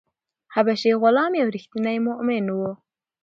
حبشي غلام یو ریښتینی مومن و.